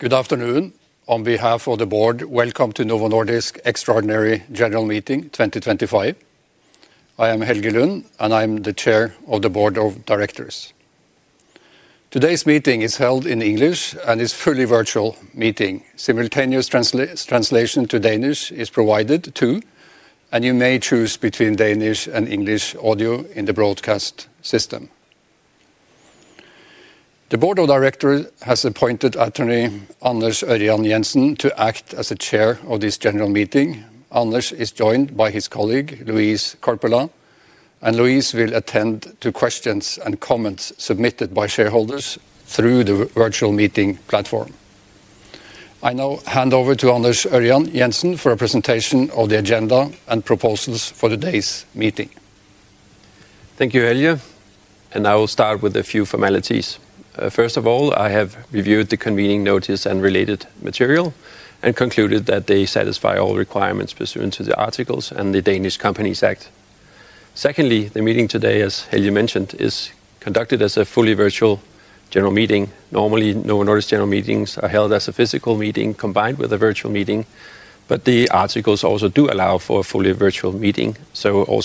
Good afternoon. On behalf of the board, welcome to Novo Nordisk Extraordinary General Meeting 2025. I am Helge Lund and I'm the Chair of the Board of Directors. Today's meeting is held in English and is a fully virtual meeting. Simultaneous translation to Danish is provided too. You may choose between Danish and English audio in the broadcast system. The Board of Directors has appointed attorney Anders Ørjan Jensen to act as Chair of this general meeting. Anders is joined by his colleague Louise Korpela. Louise will attend to questions and comments submitted by shareholders through the virtual meeting platform. I now hand over to Anders Ørjan Jensen for a presentation of the agenda and proposals for the day's meeting. Thank you. Helge and I will start with a few formalities. First of all, I have reviewed the convening notice and related material and concluded that they satisfy all requirements pursuant to the Articles and the Danish Companies Act. Secondly, the meeting today, as Helge mentioned, is conducted as a fully virtual general meeting. Normally, Novo Nordisk general meetings are held as a physical meeting combined with a virtual meeting. The Articles also do allow for a fully virtual meeting.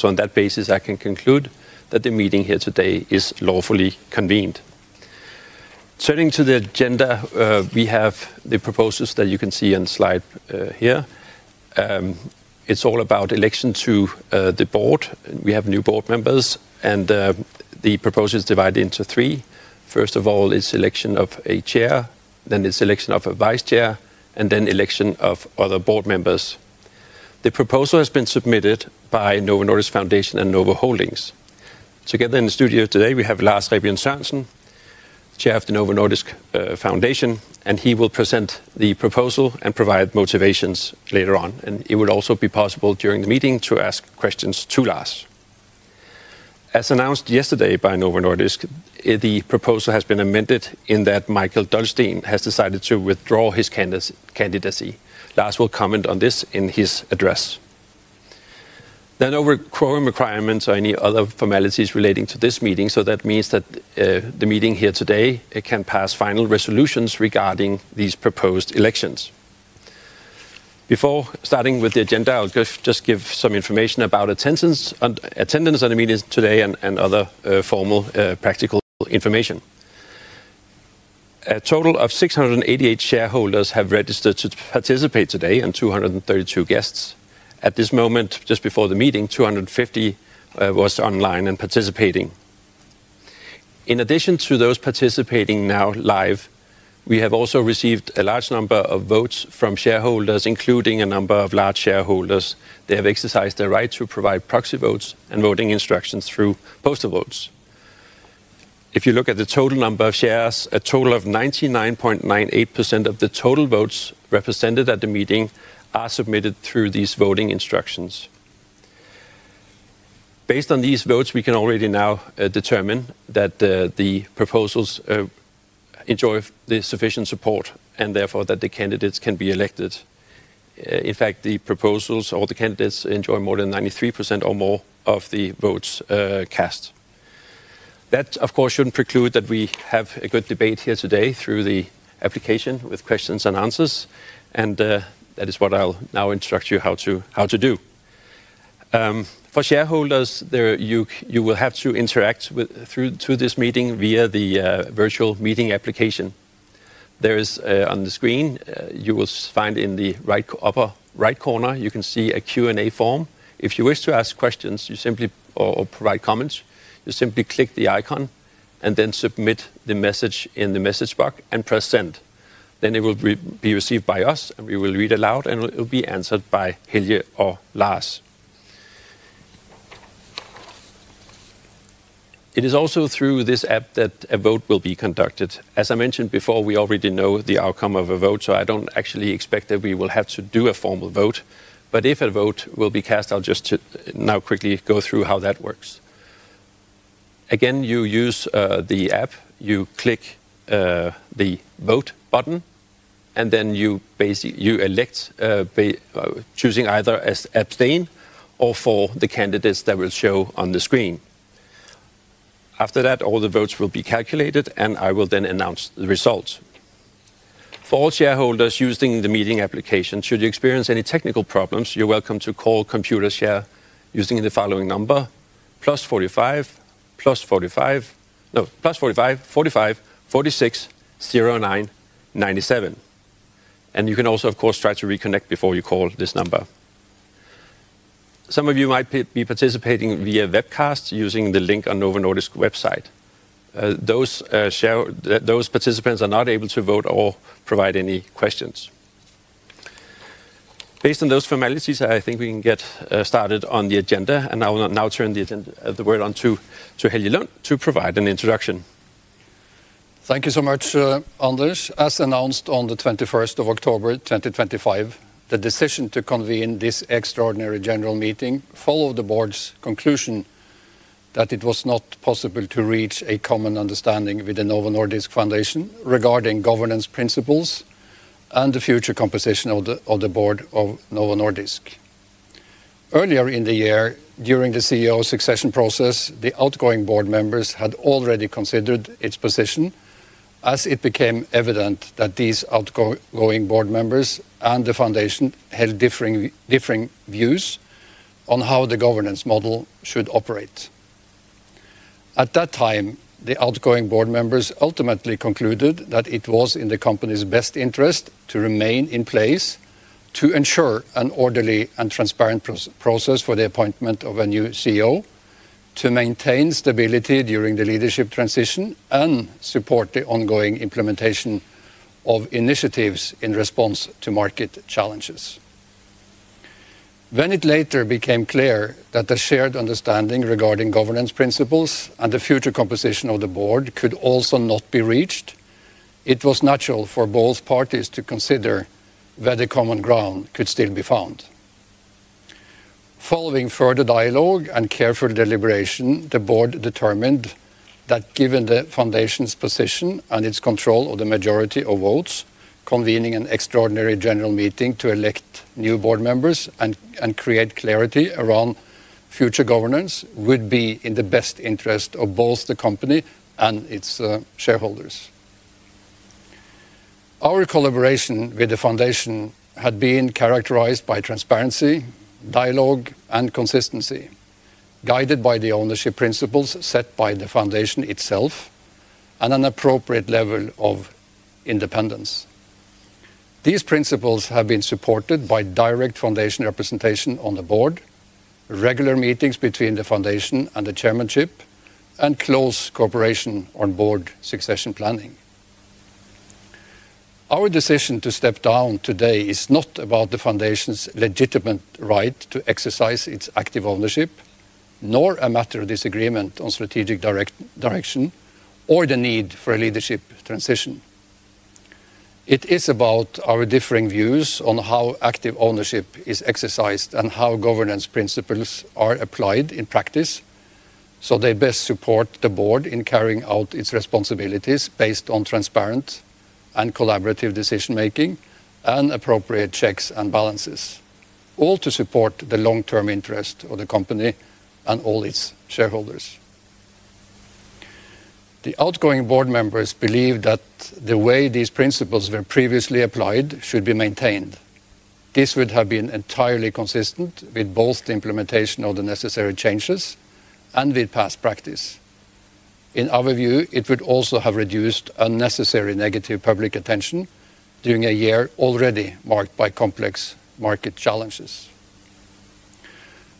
On that basis, I can conclude that the meeting here today is lawfully convened. Turning to the agenda, we have the proposals that you can see on the slide here. It is all about election to the board. We have new board members and the proposal is divided into three. First of all is selection of a chair, then the selection of a vice chair and then election of other board members. The proposal has been submitted by Novo Nordisk Foundation and Novo Holdings. Together in the studio today we have Lars Rebien Sørensen, chair of the Novo Nordisk Foundation, and he will present the proposal and provide motivations later on. It would also be possible during the meeting to ask questions to Lars. As announced yesterday by Novo Nordisk, the proposal has been amended in that Mikael Dolsten has decided to withdraw his candidacy. Lars will comment on this in his address, then over quorum requirements or any other formalities relating to this meeting. That means that the meeting here today can pass final resolutions regarding these proposed elections. Before starting with the agenda, I'll just give some information about attendance on the meeting today and other formal practical information. A total of 688 shareholders have registered to participate today and 232 guests. At this moment, just before the meeting, 250 was online and participating. In addition to those participating now live, we have also received a large number of votes from shareholders, including a number of large shareholders. They have exercised their right to provide proxy votes and voting instructions throughout postal votes. If you look at the total number of shares, a total of 99.98% of the total votes represented at the meeting are submitted through these voting instructions. Based on these votes, we can already now determine that the proposals enjoy the sufficient support and therefore that the candidates can be elected. In fact, the proposals or the candidates enjoy more than 93% or more of the votes cast. That of course should not preclude that we have a good debate here today through the application with questions and answers. That is what I will now instruct you how to do for shareholders. You will have to interact with this meeting via the virtual meeting application. There is, on the screen you will find in the right upper corner, right corner you can see a Q&A form. If you wish to ask questions or provide comments, you simply click the icon and then submit the message in the message box and press send. Then it will be received by us and we will read aloud and it will be answered by Helge or Lars. It is also through this app that a vote will be conducted. As I mentioned before, we already know the outcome of a vote, so I do not actually expect that we will have to do a formal vote. If a vote will be cast, I will just now quickly go through how that works again. You use the app, you click the vote button and then you elect, choosing either as abstain or for the candidates that will show on the screen. After that, all the votes will be calculated and I will then announce the results for all shareholders using the meeting application. Should you experience any technical problems, you are welcome to call Computershare using the following number +45 45460997 and you can also of course try to reconnect before you call this number. Some of you might be participating via webcast using the link on the Novo Nordisk website. Those participants are not able to vote or provide any questions. Based on those formalities, I think we can get started on the agenda and I will now turn the word on to Helge Lund to provide an introduction. Thank you so much, Anders. As announced on 21st October 2025, the decision to convene this extraordinary general meeting followed the board's conclusion that it was not possible to reach a common understanding with the Novo Nordisk Foundation regarding governance principles and the future composition of the board of Novo Nordisk. Earlier in the year, during the CEO succession process, the outgoing board members had already considered its position as it became evident that these outgoing board members and the Foundation held differing views on how the governance model should operate at that time. The outgoing board members ultimately concluded that it was in the company's best interest to remain in place to ensure an orderly and transparent process for the appointment of a new CEO to maintain stability during the leadership transition and support the ongoing implementation of initiatives in response to market challenges. When it later became clear that the shared understanding regarding governance principles and the future composition of the Board could also not be reached, it was natural for both parties to consider whether common ground could still be found. Following further dialogue and careful deliberation, the Board determined that given the Foundation's position and its control of the majority of votes, convening an extraordinary general meeting to elect new board members and create clarity around future governance would be in the best interest of both the company and its shareholders. Our collaboration with the Foundation had been characterized by transparency, dialogue and consistency, guided by the ownership principles set by the Foundation itself and an appropriate level of independence. These principles have been supported by direct Foundation representation on the Board, regular meetings between the Foundation and the Chairmanship, and close cooperation on board succession planning. Our decision to step down today is not about the Foundation's legitimate right to exercise its active ownership, nor a matter of disagreement on strategic direction or the need for a leadership transition. It is about our differing views on how active ownership is exercised and how governance principles are applied in practice so they best support the Board in carrying out its responsibilities based on transparent and collaborative decision making and appropriate checks and balances, all to support the long term interest of the company and all its shareholders. The outgoing board members believe that the way these principles were previously applied should be maintained. This would have been entirely consistent with both the implementation of the necessary changes and with past practice. In our view, it would also have reduced unnecessary negative public attention during a year already marked by complex market challenges.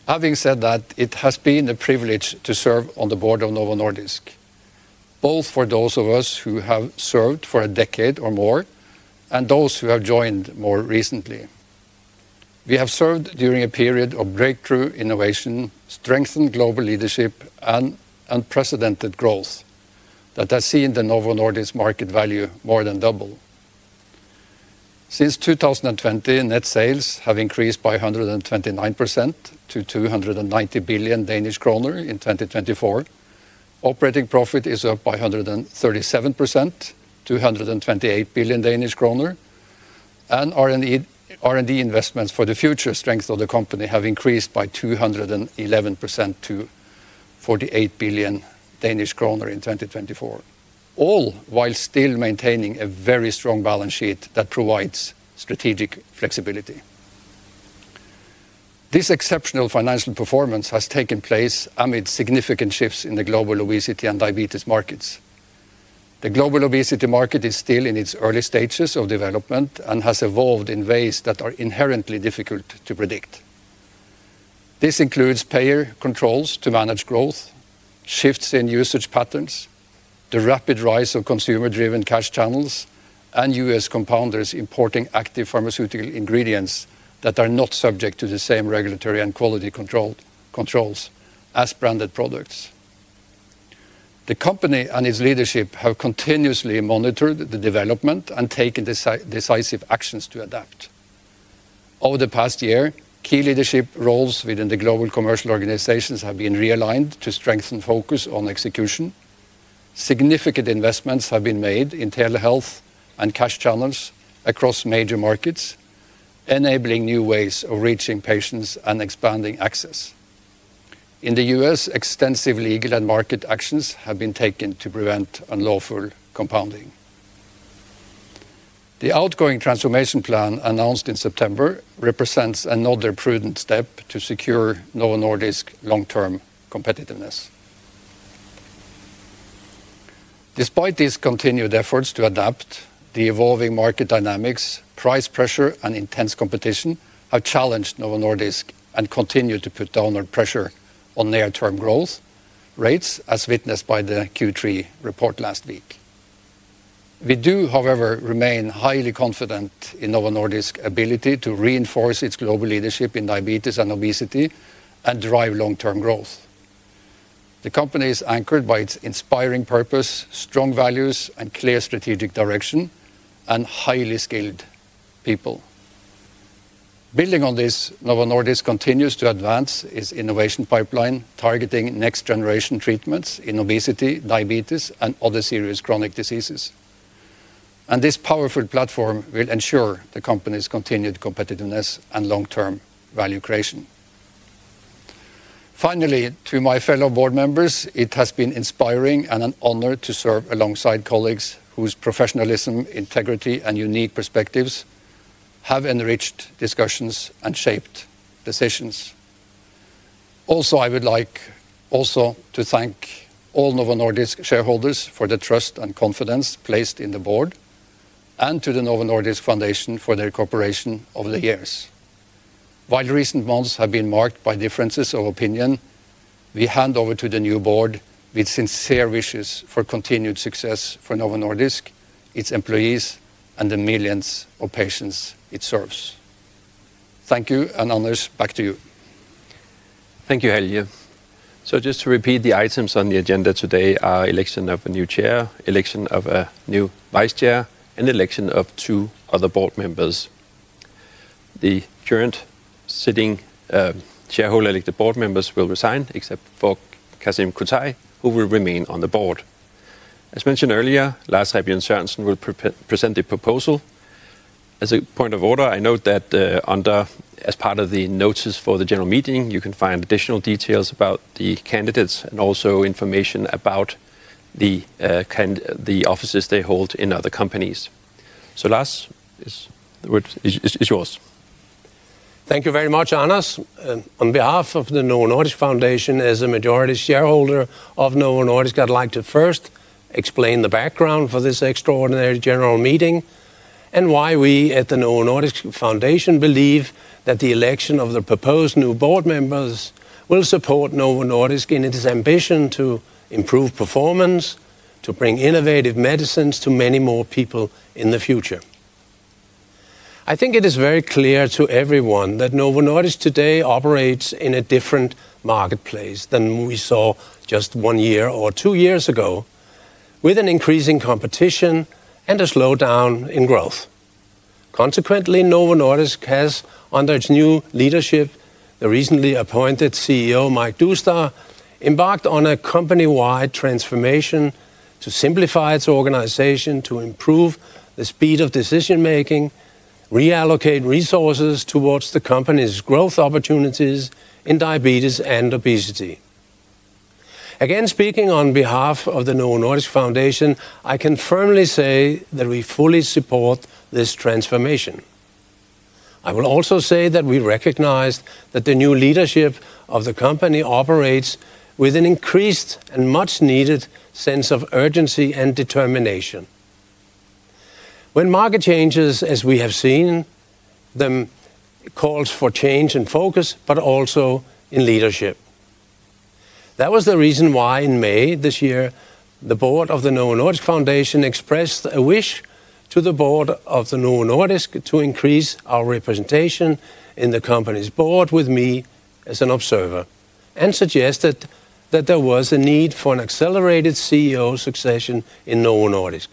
Having said that, it has been a privilege to serve on the board of Novo Nordisk, both for those of us who have served for a decade or more and those who have joined more recently. We have served during a period of breakthrough innovation, strengthened global leadership and unprecedented growth that has seen the Novo Nordisk market value more than double since 2020. Net sales have increased by 129% to 290 billion Danish kroner in 2024. Operating profit is up by 137%, 228 billion Danish kroner, and R&D investments for the future strength of the company have increased by 211% to 48 billion Danish kroner in 2024, all while still maintaining a very strong balance sheet that provides strategic flexibility. This exceptional financial performance has taken place amid significant shifts in the global obesity and diabetes markets. The global obesity market is still in its early stages of development and has evolved in ways that are inherently difficult to predict. This includes payer controls to manage growth, shifts in usage patterns, the rapid rise of consumer-driven cash channels, and U.S. compounders importing active pharmaceutical ingredients that are not subject to the same regulatory and quality controls as branded products. The company and its leadership have continuously monitored the development and taken decisive actions to adapt. Over the past year, key leadership roles within the global commercial organizations have been realigned to strengthen focus on execution. Significant investments have been made in telehealth and cash channels across major markets, enabling new ways of reaching patients and expanding access. In the U.S., extensive legal and market actions have been taken to prevent unlawful compounding. The outgoing transformation plan announced in September represents another prudent step to secure Novo Nordisk long term competitiveness. Despite these continued efforts to adapt the evolving market dynamics, price pressure and intense competition have challenged Novo Nordisk and continue to put downward pressure on near term growth rates as witnessed by the Q3 report last week. We do however remain highly confident in Novo Nordisk's ability to reinforce its global leadership in diabetes and obesity and drive long term growth. The company is anchored by its inspiring purpose, strong values and clear strategic direction and highly skilled people. Building on this, Novo Nordisk continues to advance its innovation pipeline targeting next generation treatments in obesity, diabetes and other serious chronic diseases and this powerful platform will ensure the company's continued competitiveness and long term value creation. Finally, to my fellow board members, it has been inspiring and an honor to serve alongside colleagues whose professionalism, integrity and unique perspectives have enriched discussions and shaped decisions. Also, I would like also to thank all Novo Nordisk shareholders for the trust and confidence placed in the board and to the Novo Nordisk Foundation for their cooperation over the years. While the recent months have been marked by differences of opinion, we hand over to the new board with sincere wishes for continued success for Novo Nordisk, its employees and the millions of patients it serves. Thank you and Anders, back to you. Thank you, Helge. Just to repeat, the items on the agenda today are election of a new Chair, election of a new Vice Chair, and election of two other board members. The current sitting Chair and elected board members will resign except for Kasim Kutay, who will remain on the board. As mentioned earlier, Lars will present the proposal as a point of order. I note that as part of the notice for the general meeting, you can find additional details about the candidates and also information about the offices they hold in other companies. Lars, it is yours. Thank you very much, Anders. On behalf of the Novo Nordisk Foundation, as a majority shareholder of Novo Nordisk, I'd like to first explain the background for this Extraordinary General Meeting and why we at the Novo Nordisk Foundation believe that the election of the proposed new board members will support Novo Nordisk in its ambition to improve performance to bring innovative medicines to many more people in the future. I think it is very clear to everyone that Novo Nordisk today operates in a different marketplace than we saw just one year or two years ago with increasing competition and a slowdown in growth. Consequently, Novo Nordisk has, under its new leadership, the recently appointed CEO Mike Doustar, embarked on a company-wide transformation to simplify its organization to improve the speed of decision making and reallocate resources towards the company's growth opportunities in diabetes and obesity. Again, speaking on behalf of the Novo Nordisk Foundation, I can firmly say that we fully support this transformation. I will also say that we recognize that the new leadership of the company operates with an increased and much needed sense of urgency and determination when market changes. As we have seen the calls for change in focus but also in leadership. That was the reason why in May this year the board of the Novo Nordisk Foundation expressed a wish to the board of Novo Nordisk to increase our representation in the company's board with me as an observer and suggested that there was a need for an accelerated CEO succession in Novo Nordisk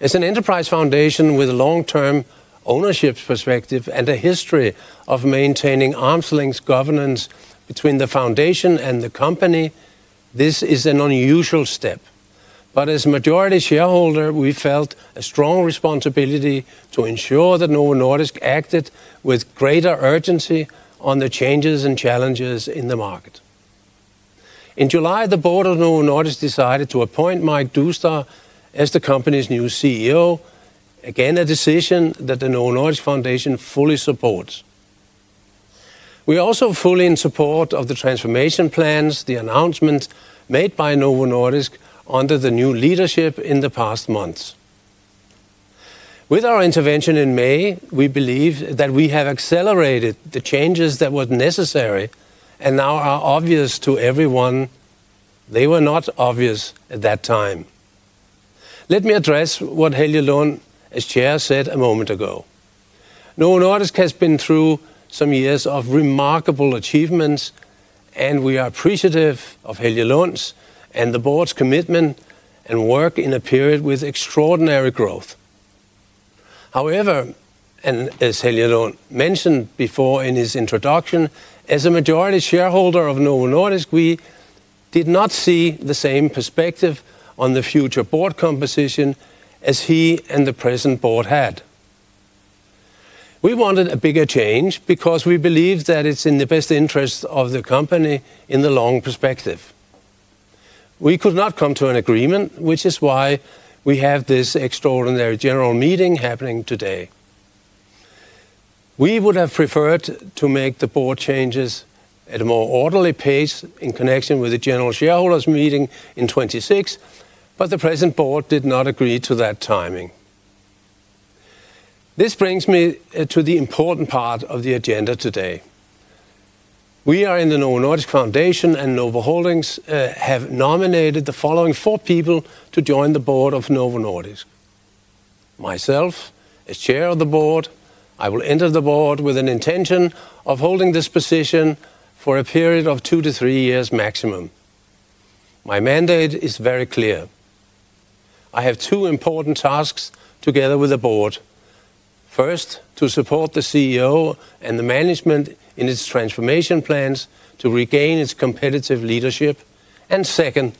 as an enterprise foundation with a long term ownership perspective and a history of maintaining arm's length governance between the foundation and the company. This is an unusual step. As majority shareholder we felt a strong responsibility to ensure that Novo Nordisk acted with greater urgency on the changes and challenges in the market. In July, the board of Novo Nordisk decided to appoint Mike Doustar as the company's new CEO. Again, a decision that the Novo Nordisk Foundation fully supports. We are also fully in support of the transformation plans. The announcements made by Novo Nordisk under the new leadership in the past months. With our intervention in May, we believe that we have accelerated the changes that were necessary and now are obvious to everyone. They were not obvious at that time. Let me address what Helge Lund, as Chair, said a moment ago. Novo Nordisk has been through some years of remarkable achievements and we are appreciative of Helge Lund's and the board's commitment and work in a period with extraordinary growth. However, and as Helge Lund mentioned before in his introduction, as a majority shareholder of Novo Nordisk, we did not see the same perspective on the future board composition as he and the present board had. We wanted a bigger change because we believe that it's in the best interest of the company. In the long perspective, we could not come to an agreement, which is why we have this extraordinary general meeting happening today. We would have preferred to make the board changes at a more orderly pace in connection with the general shareholders meeting in 2026. The present board did not agree to that timing. This brings me to the important part of the agenda today. We in the Novo Nordisk Foundation and Novo Holdings have nominated the following four people to join the board of Novo Nordisk. Myself as Chair of the Board. I will enter the board with an intention of holding this position for a period of two to three years maximum. My mandate is very clear. I have two important tasks together with the board. First, to support the CEO and the management in its transformation plans to regain its competitive leadership and second,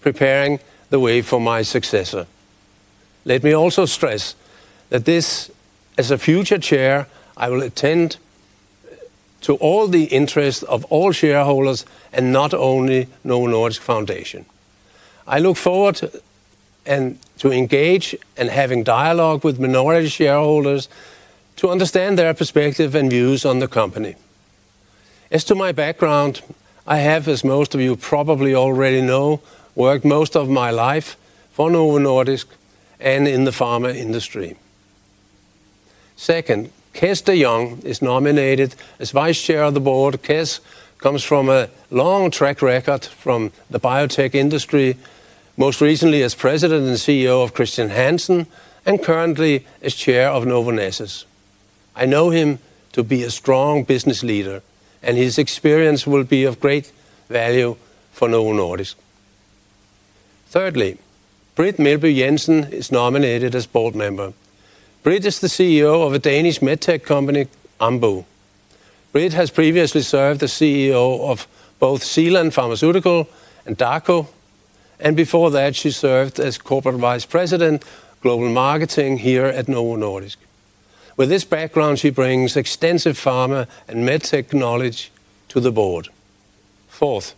preparing the way for my successor. Let me also stress that as a future Chair, I will attend to all the interests of all shareholders and not only Novo Nordisk Foundation. I look forward to engage and having dialogue with minority shareholders to understand their perspective and views on the company. As to my background, I have, as most of you probably already know, worked most of my life for Novo Nordisk and in the pharma industry. Second, Cees de Jong is nominated as Vice Chair of the board. Cees comes from a long track record from the biotech industry, most recently as President and CEO of Christian Hansen and currently is as Chair of Novo Nordisk. I know him to be a strong business leader and his experience will be of great value for Novonesis. Thirdly, Britt Meelby Jensen is nominated as board member. Britt is the CEO of a Danish medtech company, Ambu. Britt has previously served as CEO of both Zealand Pharmaceutical and Dako and before that she served as Corporate Vice President, Global Marketing here at Novo Nordisk. With this background, she brings extensive pharma and medtech knowledge to the board. Fourth,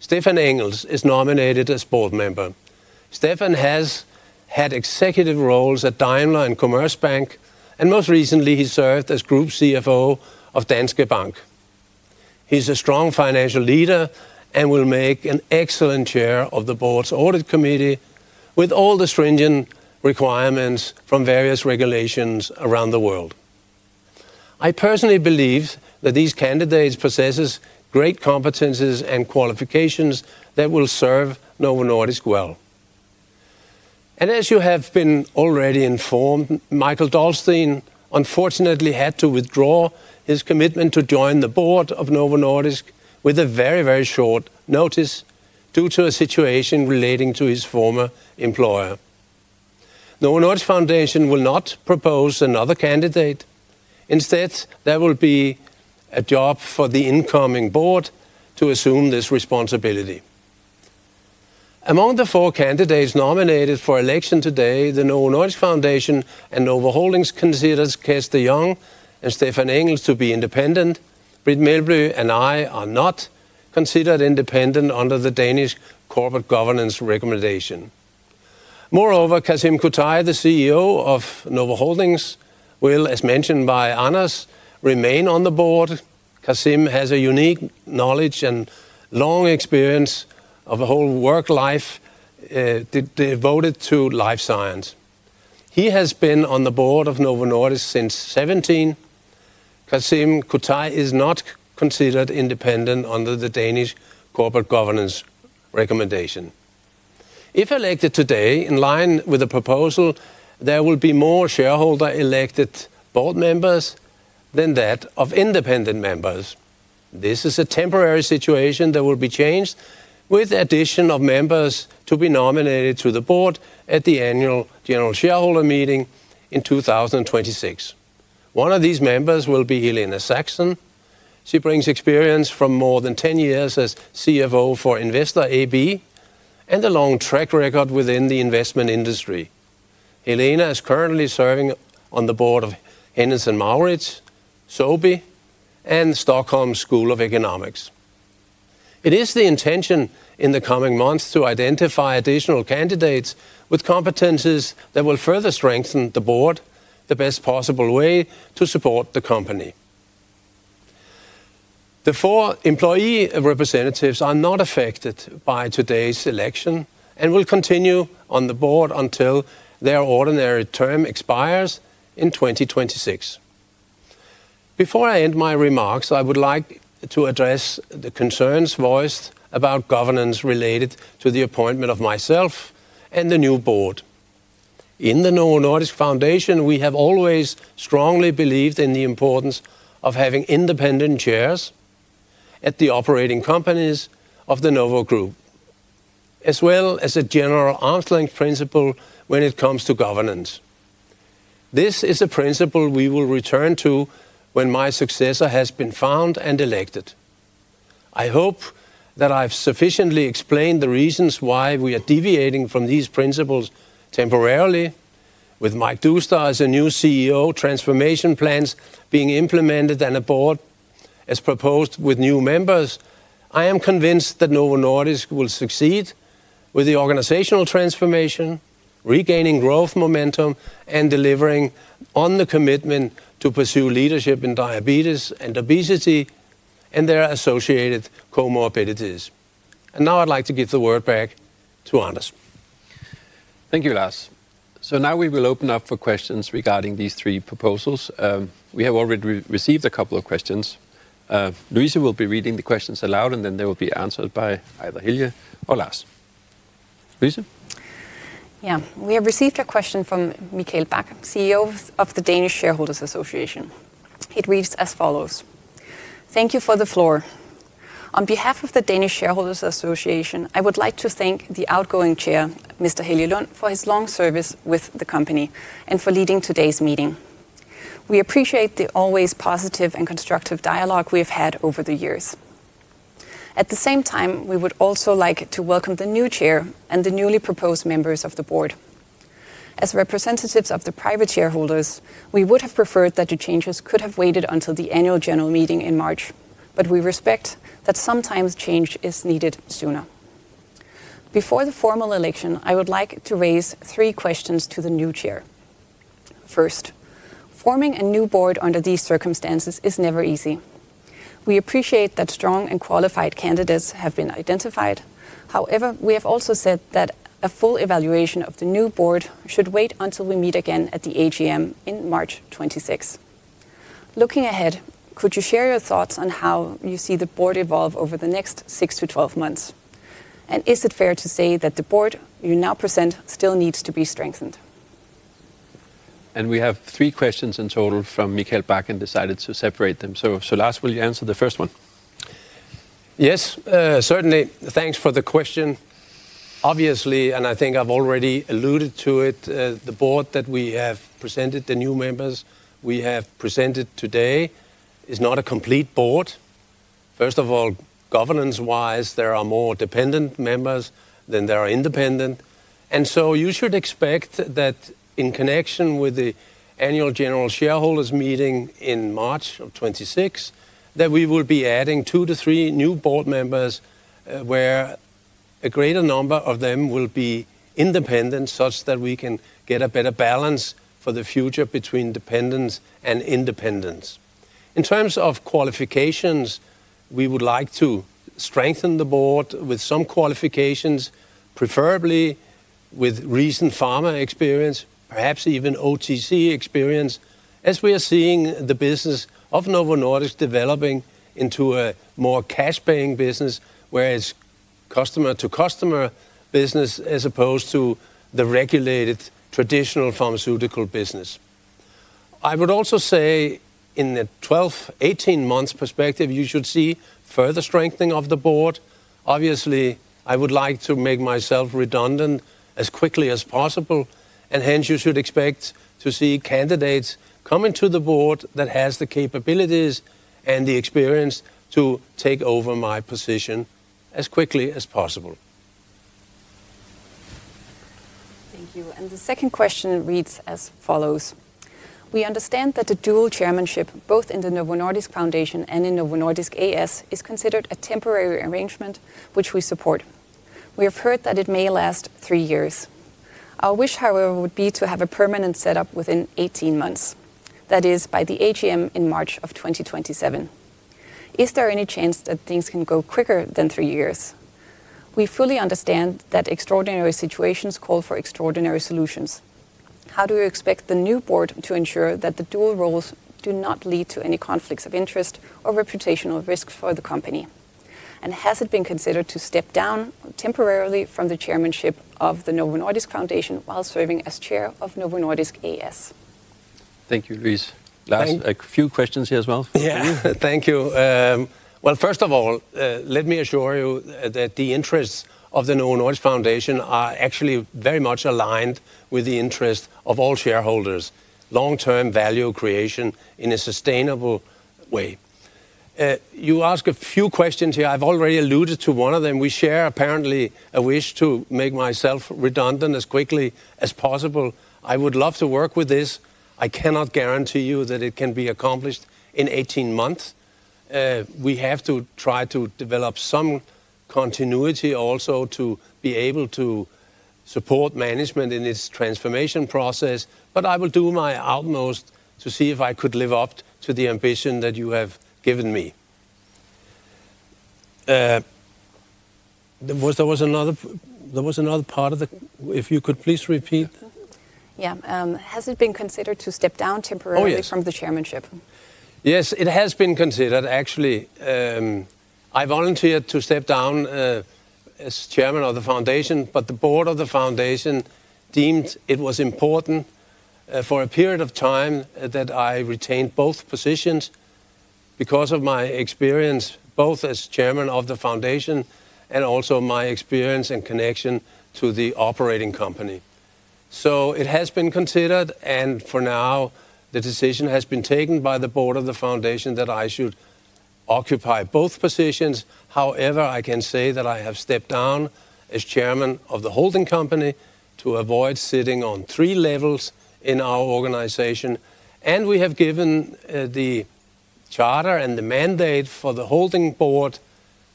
Stephan Engels is nominated as board member. Stephan has had executive roles at Daimler and Commerzbank and most recently he served as Group CFO of Danske Bank. He's a strong financial leader and will make an excellent Chair of the Board's Audit Committee. With all the stringent requirements from various regulations around the world. I personally believe that these candidates possess great competences and qualifications that will serve Novo Nordisk well. As you have been already informed, Mikael Dolsten unfortunately had to withdraw his commitment to join the Board of Novo Nordisk with a very, very short notice due to a situation relating to his former employer. No, Novo Nordisk Foundation will not propose another candidate. Instead, there will be a job for the incoming Board to assume this responsibility. Among the four candidates nominated for election today, the Novo Nordisk Foundation and Novo Holdings consider Cees de Jong and Stephan Engels to be independent. Britt Meelby and I are not considered independent under the Danish Corporate Governance Recommendation. Moreover, Kasim Kutay, the CEO of Novo Holdings, will, as mentioned by Anders, remain on the board. Kasim has a unique knowledge and long experience of a whole work life devoted to life science. He has been on the board of Novo Nordisk since 2017. Kasim Kutay is not considered independent under the Danish Corporate Governance Recommendation. If elected today, in line with the proposal, there will be more shareholder-elected board members than that of independent members. This is a temporary situation that will be changed with addition of members to be nominated to the board at the annual general shareholder meeting in 2026. One of these members will be Helena Saxon. She brings experience from more than 10 years as CFO for Investor AB and a long track record within the investment industry. Helena is currently serving on the board of Hennes & Mauritz AB and Stockholm School of Economics. It is the intention in the coming months to identify additional candidates with competences that will further strengthen the board. The best possible way to support the company. The four employee representatives are not affected by today's election and will continue on the board until their ordinary term expires in 2026. Before I end my remarks, I would like to address the concerns voiced about governance related to the appointment of myself and the new board in the Novo Nordisk Foundation. We have always strongly believed in the importance of having independent chairs at the operating companies of the Novo Group as well as a general arm's length principle when it comes to governance. This is a principle we will return to when my successor has been found and elected. I hope that I've sufficiently explained the reasons why we are deviating from these principles temporarily with Mike Doustar as a new CEO, transformation plans being implemented and a board as proposed with new members. I am convinced that Novo Nordisk will succeed with the organizational transformation, regaining growth momentum and delivering on the commitment to pursue leadership in diabetes and obesity and their associated comorbidities. I would now like to give the word back to Anders. Thank you, Lars. Now we will open up for questions regarding these three proposals. We have already received a couple of questions. Louise will be reading the questions aloud and then they will be answered by either Helge or Lars. Louise. We have received a question from Mikael Bak, CEO of the Danish Shareholders Association. It reads as thank you for the floor. On behalf of the Danish Shareholders Association, I would like to thank the outgoing Chair, Mr. Helge Lund, for his long service with the company and for leading today's meeting. We appreciate the always positive and constructive dialogue we have had over the years. At the same time, we would also like to welcome the new Chair and the newly proposed members of the board as representatives of the private shareholders. We would have preferred that the changes could have waited until the Annual General Meeting in March. We respect that sometimes change is needed sooner before the formal election. I would like to raise three questions to the new Chair. First, forming a new board under these circumstances is never easy. We appreciate that strong and qualified candidates have been identified. However, we have also said that a full evaluation of the new board should wait until we meet again at the AGM in March 26. Looking ahead, could you share your thoughts on how you see the board evolve over the next 6 to 12 months? Is it fair to say that the board you now present still needs to be strengthened? We have three questions in total from Mikael Bak, decided to separate them. So, Lars, will you answer the first one? Yes, certainly. Thanks for the question. Obviously, and I think I've already alluded to it, the board that we have presented, the new members we have presented today, is not a complete board. First of all, governance wise, there are more dependent members than there are independent. You should expect that in connection with the Annual General Shareholders Meeting in March of 2026, we will be adding two to three new board members where a greater number of them will be independent, such that we can get a better balance for the future between dependents and independence. In terms of qualifications, we would like to strengthen the board with some qualifications, preferably with recent pharma experience, perhaps even OTC experience, as we are seeing the business of Novo Nordisk developing into a more cash paying business where it's customer to customer business, as opposed to the regulated traditional pharmaceutical business. I would also say in the 12, 18 months perspective you should see further strengthening of the board. Obviously, I would like to make myself redundant as quickly as possible. Hence you should expect to see candidates coming to the board that has the capabilities and the experience to take over my position as quickly as possible. Thank you. The second question reads as well. We understand that the dual chairmanship, both in the Novo Nordisk Foundation and in Novo Nordisk A/S, is considered a temporary arrangement which we support. We have heard that it may last three years. Our wish, however, would be to have a permanent setup within 18 months, that is by the AGM in March of 2027. Is there any chance that things can go quicker than three years? We fully understand that extraordinary situations call for extraordinary solutions. How do you expect the new board to ensure that the dual roles do not lead to any conflicts of interest or reputational risk for the company? Has it been considered to step down temporarily from the chairmanship of the Novo Nordisk Foundation while serving as Chair of Novo Nordisk A/S? Thank you, Louise. Last a few questions here as well. Thank you. First of all, let me assure you that the interests of the Novo Nordisk Foundation are actually very much aligned with the interest of all shareholders, long term value creation in a sustainable way. You ask a few questions here. I have already alluded to one of them. We share, apparently, a wish to make myself redundant as quickly as possible. I would love to work with this. I cannot guarantee you that it can be accomplished in 18 months. We have to try to develop some continuity also to be able to support management in its transformation process. I will do my utmost to see if I could live up to the ambition that you have given me. There was another part of the—if you could please repeat. Yeah. Has it been considered to step down temporarily from the chairmanship? Yes, it has been considered. Actually, I volunteered to step down as Chairman of the Foundation. The Board of the Foundation deemed it was important for a period of time that I retained both positions because of my experience, both as Chairman of the Foundation and also my experience and connection to the operating company. It has been considered and for now the decision has been taken by the Board of the Foundation that I should occupy both positions. However, I can say that I have stepped down as Chairman of the holding company to avoid sitting on three levels in our organization. We have given the charter and the mandate for the holding board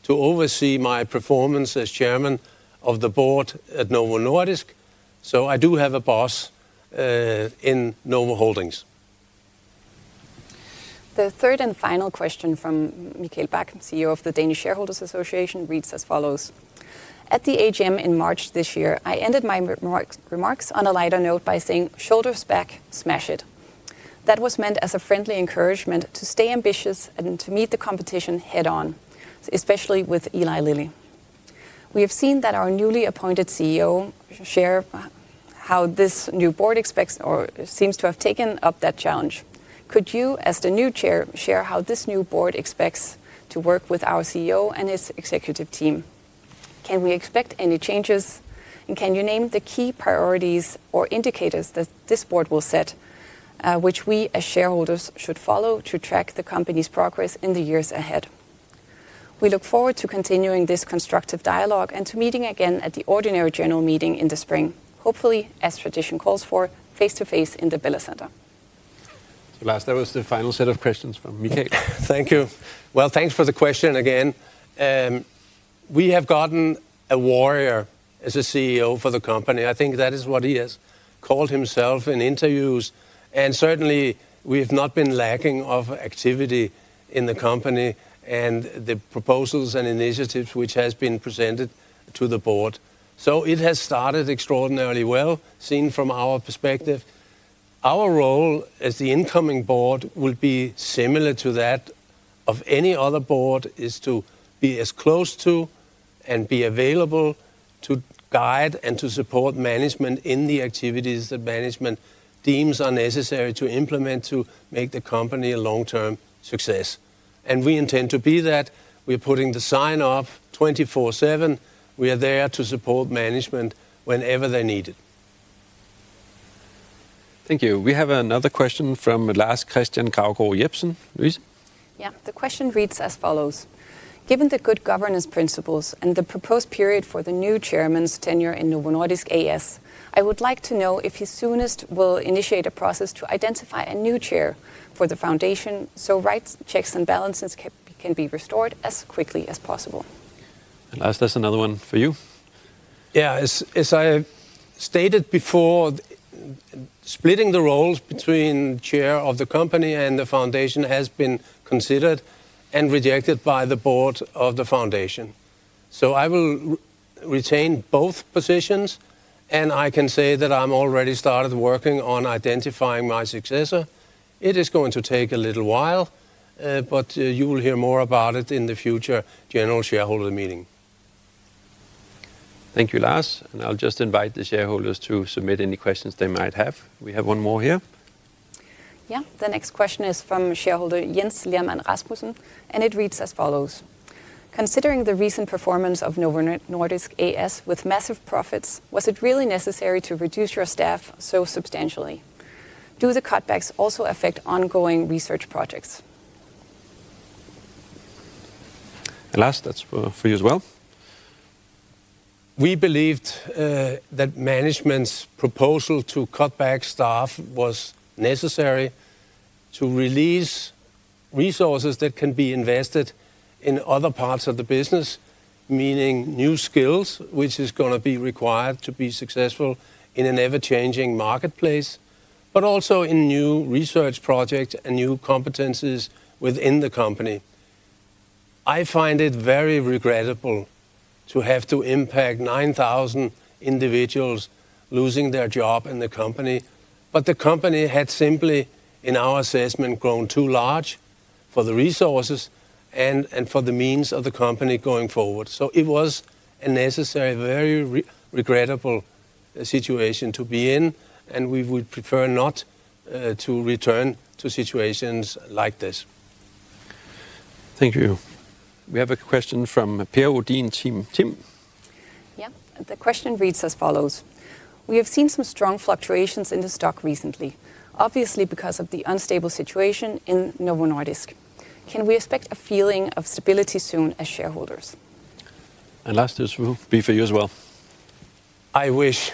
to oversee my performance as Chairman of the Board at Novo Nordisk. I do have a boss in Novo Holdings. The third and final question from Mikael Bak, CEO of the Danish Shareholders Association, reads, as at the AGM in March this year, I ended my remarks on a lighter note by saying, shoulders back. Smash it. That was meant as a friendly encouragement to stay ambitious and to meet the competition head on. Especially with Eli Lilly. We have seen that our newly appointed CEO, how this new board expects or seems to have taken up that challenge. Could you as the new Chair, share how this new board expects to work with our CEO and his executive team? Can we expect any changes and can you name the key priorities or indicators that this board will set which we as shareholders should follow to track the company's progress in the years ahead? We look forward to continuing this constructive dialogue and to meeting again at the ordinary general meeting in the spring. Hopefully, as tradition calls, for face to face in the Bella Center. Last, that was the final set of questions from Mikael. Thank you. Thanks for the question again. We have gotten a warrior as a CEO for the company. I think that is what he has called himself in interviews. Certainly we have not been lacking of activity in the company and the proposals and initiatives which has been presented to the board. It has started extraordinarily well seen from our perspective. Our role as the incoming board will be similar to that of any other board, to be as close to and be available to guide and to support management in the activities that management deems are necessary to implement to make the company a long term success. We intend to be that. We are putting the sign off 24/7. We are there to support management whenever they need it. Thank you. We have another question from Lars Christian Kauko Jepsen. The question reads as follows. Given the good governance principles and the proposed period for the new Chairman's tenure in Novo Nordisk as I would like to know if he soonest will initiate a process to identify a new Chair for the Foundation so rights checks and balances can be restored as quickly as possible. Another one for you? Yes. As I stated before, splitting the roles between Chair of the company and the foundation has been considered and rejected by the board of the foundation. I will retain both positions and I can say that I've already started working on identifying my successor. It is going to take a little while, but you will hear more about it in the future. General shareholder meeting. Thank you, Lars. I will just invite the shareholders to submit any questions they might have. We have one more here. Yeah. The next question is from shareholder Jens Lehrmann Rasmussen and it reads as considering the recent performance of Novo Nordisk A/S as with massive profits, was it really necessary to reduce your staff so substantially? Do the cutbacks also affect ongoing research projects? Lars, that's for you as well. We believed that management's proposal to cut back staff was necessary to release resources that can be invested in other parts of the business, meaning new skills which is going to be required to be successful in an ever changing marketplace, but also in new research projects and new competencies within the company. I find it very regrettable to have to impact 9,000 individuals losing their job in the company. The company had simply, in our assessment, grown too large for the resources and for the means of the company going forward. It was a necessary, very regrettable situation to be in, and we would prefer not to return to situations like this. Thank you. We have a question from Pierre O'Dean. Tim. Tim? Yeah. The question reads as follows. We have seen some strong fluctuations in the stock recently, obviously because of the unstable situation in Novo Nordisk. Can we expect a feeling of stability soon as shareholders? Lars. This will be for you as well, I wish.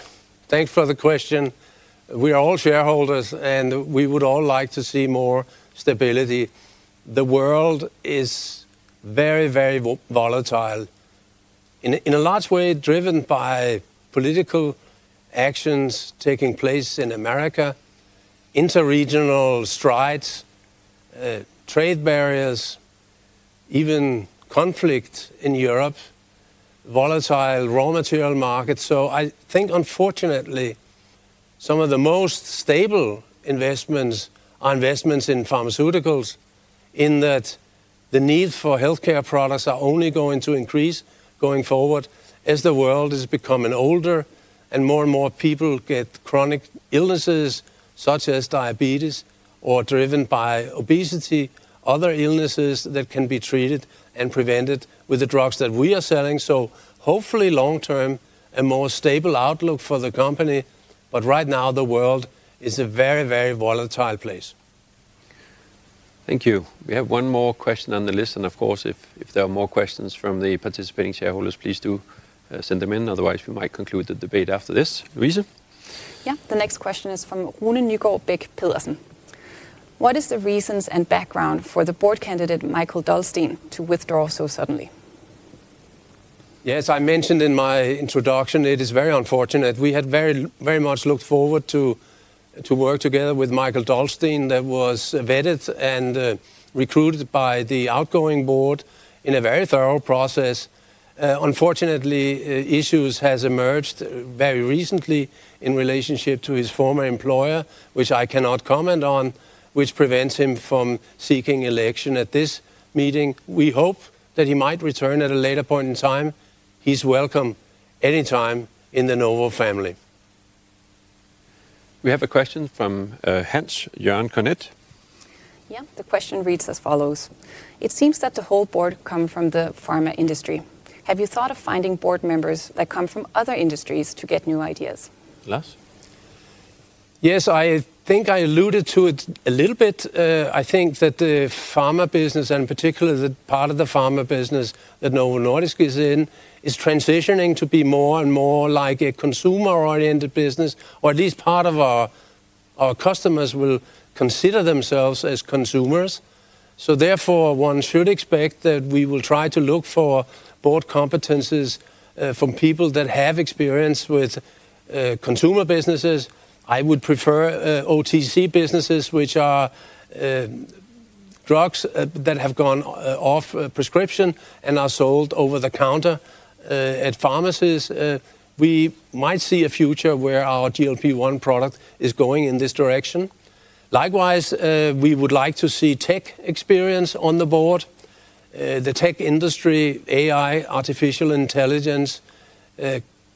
Thanks for the question. We are all shareholders and we would all like to see more stability. The world is very, very volatile in a large way, driven by political actions taking place in America, interregional strife, trade barriers, even conflict in Europe, volatile raw material markets. I think, unfortunately, some of the most stable investments are investments in pharmaceuticals, in that the need for health care products is only going to increase going forward as the world is becoming older and more and more people get chronic illnesses such as diabetes or, driven by obesity, other illnesses that can be treated and prevented with the drugs that we are selling. Hopefully, long term, a more stable outlook for the company. Right now the world is a very, very volatile place. Thank you. We have one more question on the list. Of course, if there are more questions from the participating shareholders, please do send them in. Otherwise we might conclude the debate after this. Louise, The next question is from Runenjugo Beck Pillarsen. What is the reasons and background for the board candidate Mikael Dolsten to withdraw so suddenly? Yes, I mentioned in my introduction it is very unfortunate. We had very much looked forward to work together with Mikael Dolsten that was vetted and recruited by the outgoing board in a very thorough process. Unfortunately, issues have emerged very recently in relationship to his former employer, which I cannot comment on, which prevents him from seeking election at this meeting. We hope that he might return at a later point in time. He's welcome anytime in the Novo family. We have a question from Hans Johan Konit. Yeah, the question reads as, it seems that the whole board come from the pharma industry. Have you thought of finding board members that come from other industries to get new ideas? Lars? Yes, I think I alluded to it a little bit. I think that the pharma business, in particular the part of the pharma business that Novo Nordisk is in, is transitioning to be more and more like a consumer oriented business. Or at least part of our customers will consider themselves as consumers. Therefore, one should expect that we will try to look for board competences from people that have experience with consumer businesses. I would prefer OTC businesses, which are drugs that have gone off prescription and are sold over the counter at pharmacies. We might see a future where our GLP-1 product is going in this direction. Likewise, we would like to see tech experience on the board. The tech industry, AI, artificial intelligence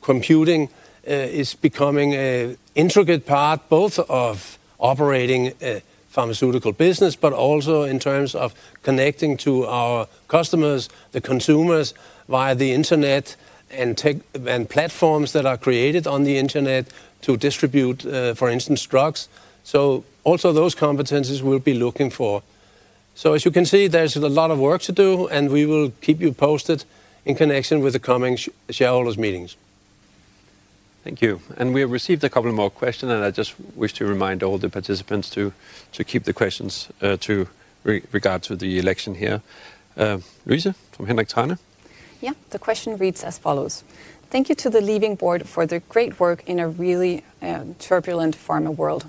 computing is becoming an intricate part both of operating pharmaceutical business, but also in terms of connecting to our customers, the consumers, via the Internet and platforms that are created on the Internet to distribute, for instance, drugs. Also those competencies we'll be looking for. As you can see, there's a lot of work to do and we will keep you posted in connection with the coming shareholders meetings. Thank you. We have received a couple more questions, and I just wish to remind all the participants to keep the questions to regard to the election here. Louise from Hendrik Theine. Yeah, the question reads as thank you to the leaving board for the great work in a really turbulent pharma world.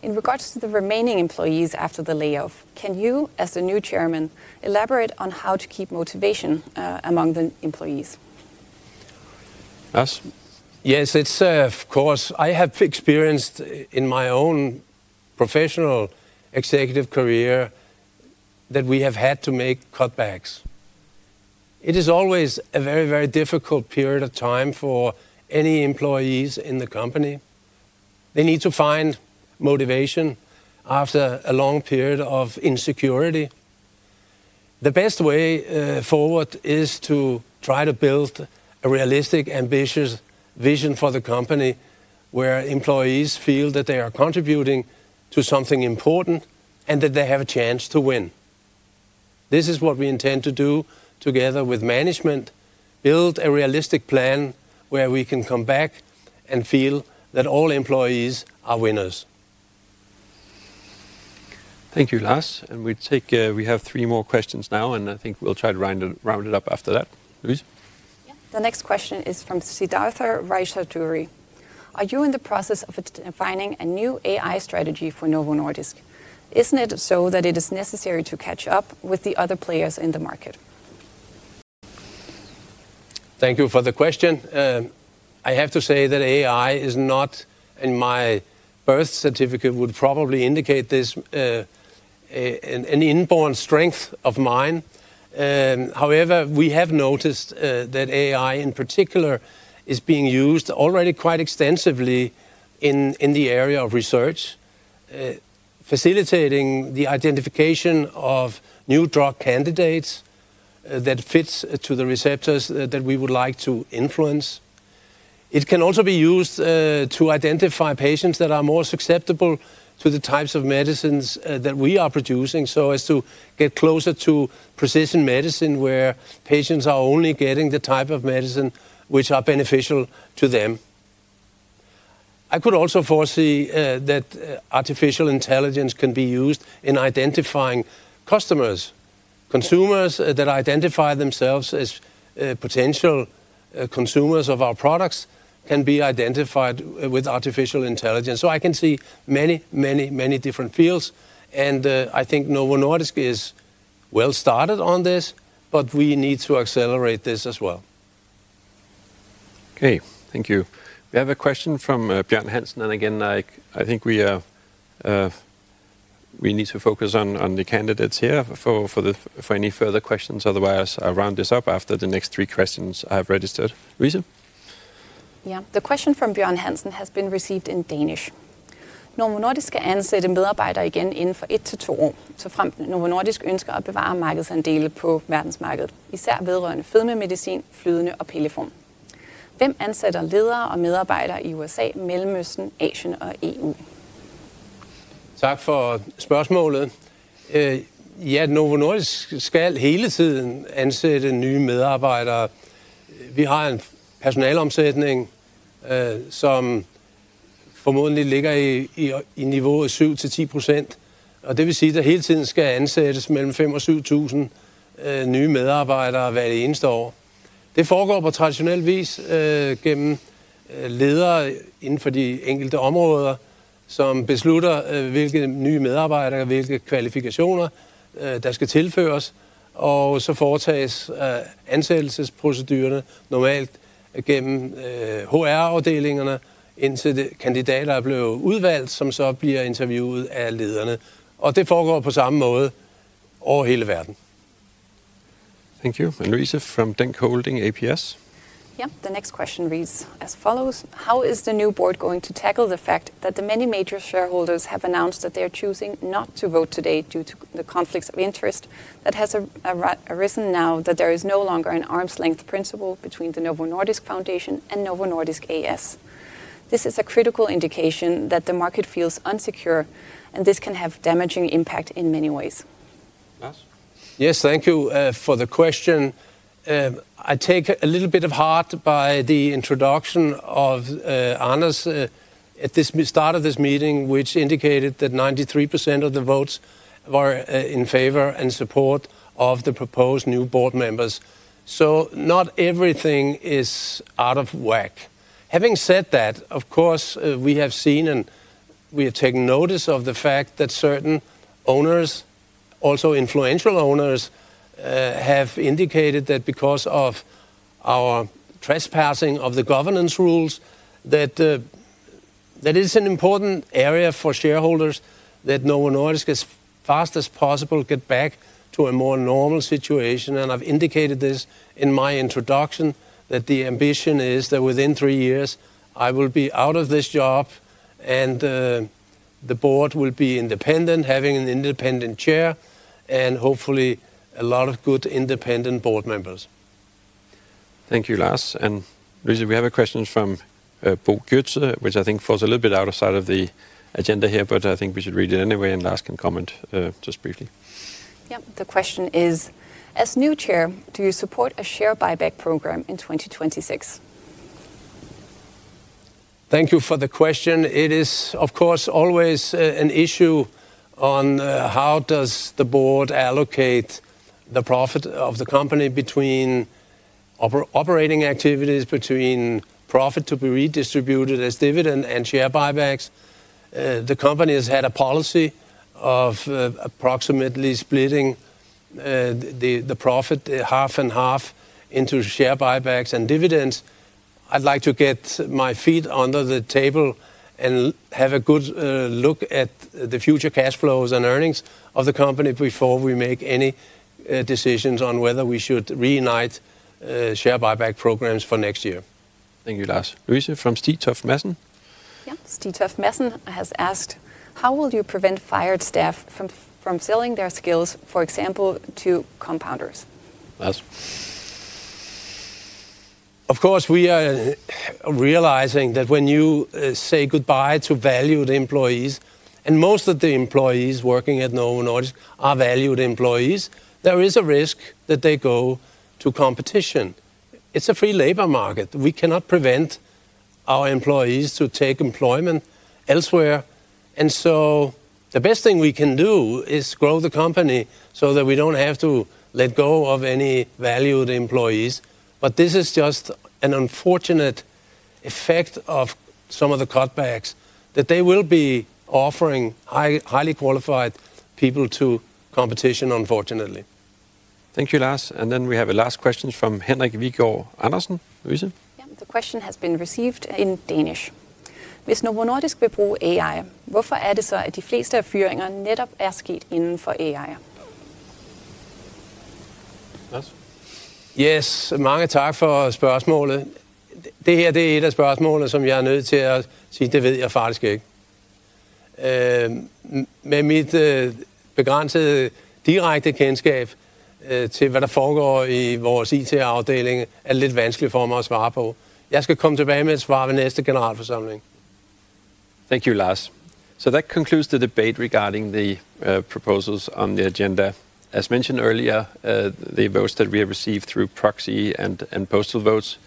In regards to the remaining employees after the layoff, can you, as the new Chairman, elaborate on how to keep motivation among the employees? Yes, it's of course I have experienced in my own professional executive career that we have had to make cutbacks. It is always a very, very difficult period of time for any employees in the company. They need to find motivation after a long period of insecurity. The best way forward is to try to build a realistic, ambitious vision for the company where employees feel that they are contributing to something important and that they have a chance to win. This is what we intend to do together with management. Build a realistic plan where we can come back and feel that all employees are winners. Thank you, Lars. We have three more questions now and I think we'll try to round it up after that. Louise, The next question is from Siddhartha Rajeshuri. Are you in the process of defining a new AI strategy for Novo Nordisk? Isn't it so that it is necessary to catch up with the other players in the market? Thank you for the question. I have to say that AI is not in my birth certificate, would probably indicate this, an inborn strength of mine. However, we have noticed that AI in particular is being used already quite extensively in the area of research, facilitating the identification of new drug candidates that fit to the receptors that we would like to influence. It can also be used to identify patients that are more susceptible to the types of medicines that we are producing, so as to get closer to precision medicine where patients are only getting the type of medicine which are beneficial to them. I could also foresee that artificial intelligence can be used in identifying customers. Consumers that identify themselves as potential consumers of our products can be identified with artificial intelligence. I can see many, many, many different fields. I think Novo Nordisk is well started on this, but we need to accelerate this as well. Okay, thank you. We have a question from Bjorn Hansen and again I think we need to focus on the candidates here for any further questions. Otherwise I'll round this up after the next three questions. I have registered reason. Yeah. The question from Bjorn Hansen has been received in Danish. Behind personnel. I'm threatening some formon. Thank you. Louise from Denk Holding ApS. The next question reads as how is the new board going to tackle the fact that the many major shareholders have announced that they are choosing not to vote today due to the conflicts of interest that has arisen now that there is no longer an arm's length principle between the Novo Nordisk Foundation and Novo Nordisk A/S as this is a critical indication that the market feels unsecure and this can have damaging impact in many ways. Yes, thank you for the question. I take a little bit of heart by the introduction of Anders at the start of this meeting which indicated that 93% of the votes in favor and support of the proposed new board members. Not everything is out of whack. Having said that, of course we have seen and we have taken notice of the fact that certain owners, also influential owners, have indicated that because of our trespassing of the governance rules that that is an important area for shareholders that no one always gets fast as possible get back to a more normal situation. I have indicated this in my introduction that the ambition is that within three years I will be out of this job and the board will be independent, having an independent chair and hopefully a lot of good independent board members. Thank you. Lars and Louise. We have a question from Boet which I think falls a little bit outside of the agenda here, but I think we should read it anyway and Lars can comment just briefly. The question is as new Chair, do you support a share buyback program in 2026? Thank you for the question. It is of course always an issue on how does the board allocate the profit of the company between operating activities, between profit to be redistributed as dividend and share buybacks. The company has had a policy of approximately splitting the profit half and half into share buybacks and dividends. I'd like to get my feet under the table and have a good look at the future cash flows and earnings of the company before we make any decisions on whether we should reunite share buyback programs for next year. Thank you, Lars. Louise from Sti Tuft Mesn. Has asked, how will you prevent fired staff from selling their skills, for example, to compounders? Lars, Of course we are realizing that when you say goodbye to valued employees and most of the employees working at Novo Nordisk are valued employees, there is a risk that they go to competition. It's a free labor market. We cannot prevent our employees to take employment elsewhere. The best thing we can do is grow the company so that we don't have to let go of any valued employees. This is just an unfortunate effect of some of the cutbacks that they will be offering highly qualified people to competition, unfortunately. Thank you, Lars. Then we have a last question from Henrik Vigo Andersen. The question has been received in Danish. Yes, dealing. Thank you, Lars. That concludes the debate regarding the proposals on the agenda. As mentioned earlier, the votes that we have received through proxy and postal votes.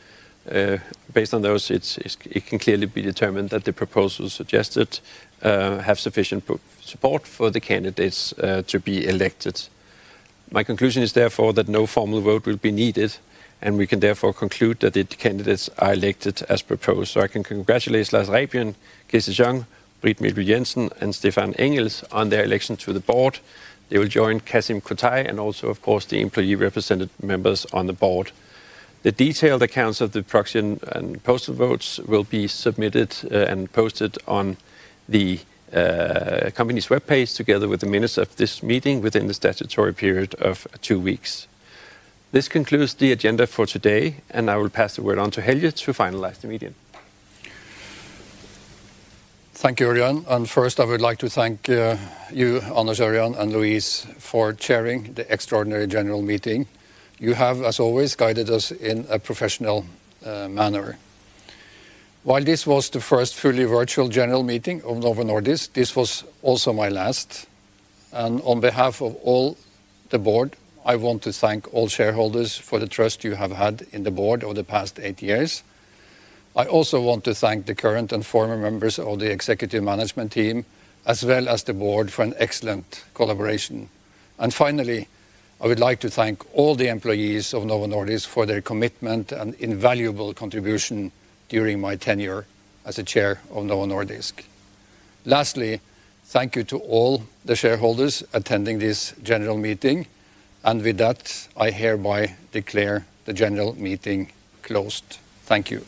Based on those, it can clearly be determined that the proposals suggested have sufficient support for the candidates to be elected. My conclusion is therefore that no formal vote will be needed and we can therefore conclude that the candidates are elected as proposed. I can congratulate Cees de Jong, Britt Meelby Jensen, and Stephan Engels on their election to the board. They will join Kasim Kutay and also of course the employee-represented members on the board. The detailed accounts of the proxy and postal votes will be submitted and posted on the company's webpage together with the minutes of this meeting within the statutory period of two weeks. This concludes the agenda for today and I will pass the word on to Helge to finalize the meeting. Thank you. First I would like to thank you, Anders Orjan and Louise for chairing the extraordinary general meeting. You have, as always, guided us in a professional manner. While this was the first fully virtual general meeting of Novo Nordisk, this was also my last. On behalf of all the board, I want to thank all shareholders for the trust you have had in the board over the past eight years. I also want to thank the current and former members of the executive management team, as well as the board, for an excellent collaboration. Finally, I would like to thank all the employees of Novo Nordisk for their commitment and invaluable contribution during my tenure as Chair of Novo Nordisk. Lastly, thank you to all the shareholders attending this general meeting. With that, I hereby declare the general meeting closed. Thank you.